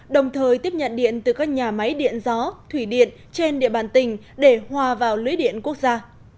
đồng thời tiếp nhận điện từ các nhà máy điện gió thủy điện trên địa bàn tỉnh để hòa vào lưới điện quốc gia